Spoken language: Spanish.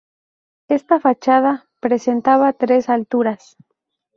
Esta fachada presentaba tres alturas.